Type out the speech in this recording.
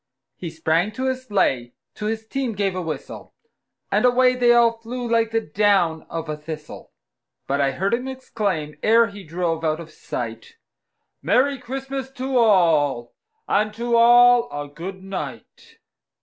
He sprang to his sleigh, to his team gave a whistle, And away they all flew like the down of a thistle; But I heard him exclaim, ere he drove out of sight, "Merry Christmas to all, and to all a good night!"